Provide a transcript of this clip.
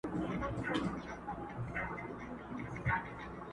زما ژوندون د ده له لاسه په عذاب دی٫